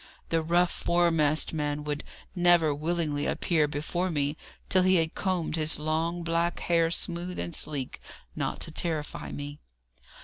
The rough foremast man would never willingly appear before me till he had combed his long black hair smooth and sleek, not to terrify me.